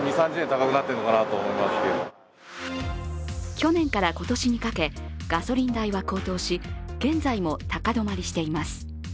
去年から今年にかけ、ガソリン代は高騰し現在も高止まりしています。